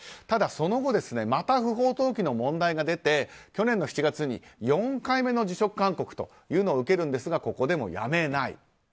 ただ、その後また不法投棄の問題が出て去年７月、４回目の辞職勧告を受けるんですがここでもやめない。